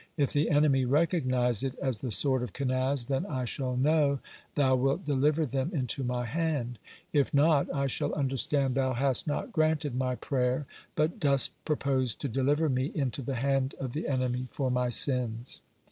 If the enemy recognize it as the sword of Kenaz, then I shall know Thou wilt deliver them into my hand; if not, I shall understand Thou hast not granted my prayer, but dost purpose to deliver me into the hand of the enemy for my sins."